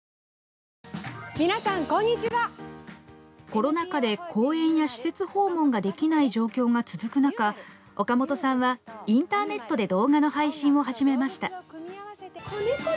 コロナ禍で、公演や施設訪問ができない状況が続く中岡本さんはインターネットで動画の配信を始めました。